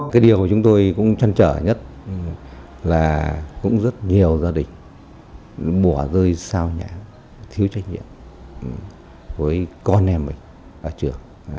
cái điều chúng tôi cũng chân trở nhất là cũng rất nhiều gia đình bỏ rơi sao nhã thiếu trách nhiệm với con em mình ở trường